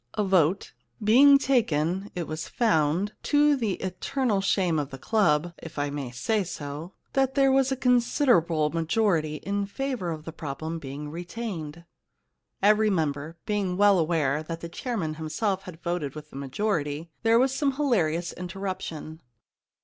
A vote being taken, it was found — to the eternal shame of the club, if I may say so — that there was a considerable majority in favour of the problem being retained.' Every member being well aware that the chairman himself had voted with the majority, there was some hilarious interruption.